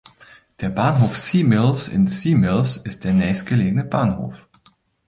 Der Bahnhof Sea Mills in Sea Mills ist der nächstgelegene Bahnhof.